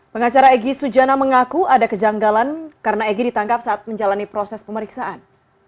pengacara egy sujana mengaku ada kejanggalan karena egy ditangkap saat menjalani proses pemeriksaan